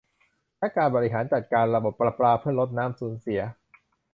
และการบริหารจัดการระบบประปาเพื่อลดน้ำสูญเสีย